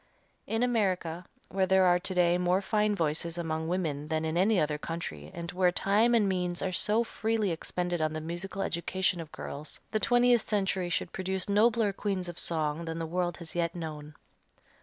In America where there are to day more fine voices among women than in any other country and where time and means are so freely expended on the musical education of girls, the twentieth century should produce nobler queens of song than the world has yet known.